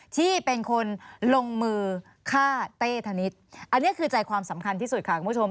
ที่เป็นคนลงมือฆ่าเต้ธนิษฐ์อันนี้คือใจความสำคัญที่สุดค่ะคุณผู้ชม